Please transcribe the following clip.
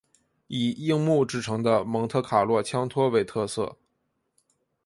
以硬木制成的蒙特卡洛枪托为特色。